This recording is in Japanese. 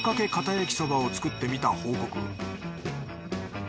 焼きそばを作ってみた報告